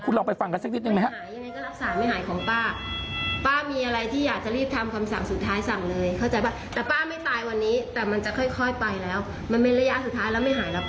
ลองไปฟังกันสักนิดนึงไหมครับ